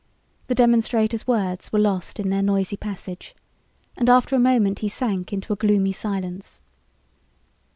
The demonstrator's words were lost in their noisy passage, and after a moment he sank into a gloomy silence.